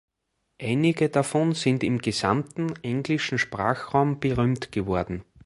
Einige davon sind im gesamten englischen Sprachraum berühmt geworden.